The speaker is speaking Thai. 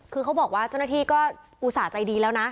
คือเขาบอกว่าเจ้าหน้าที่ก็อุตส่าห์ใจดีแล้วนะ